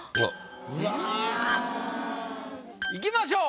うわ。いきましょう。